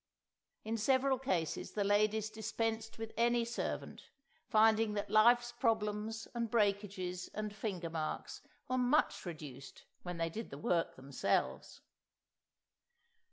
In several cases the ladies dispensed with any servant, finding that life's problems and breakages and fingermarks were much reduced when they did the work themselves!